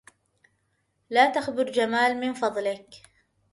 لا تخبر جمال من فضلك.